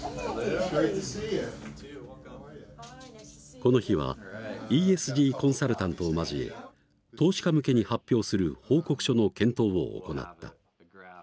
この日はＥＳＧコンサルタントを交え投資家向けに発表する報告書の検討を行った。